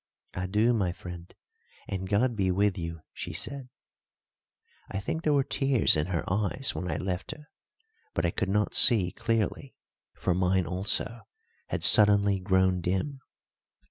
"Adieu, my friend, and God be with you," she said. I think there were tears in her eyes when I left her, but I could not see clearly, for mine also had suddenly grown dim.